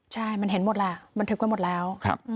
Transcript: ใช่มันเห็นหมดแหละบันทึกไว้หมดแล้ว